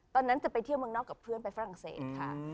ตอนนั้นจะไปเที่ยวเมืองนอกกับเพื่อนไปฝรั่งเศสค่ะ